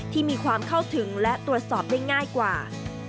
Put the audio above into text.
ที่มีความเข้าถึงและตรวจสอบได้ง่ายกว่า